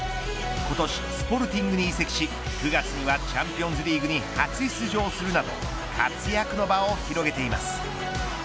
今年スポルティングに移籍し９月にはチャンピオンズリーグに初出場するなど活躍の場を広げています。